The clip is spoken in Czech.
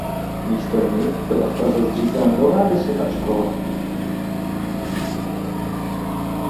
Místo nich byla v Praze zřízena nová Vysoká škola politických a hospodářských věd.